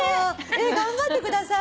頑張ってください。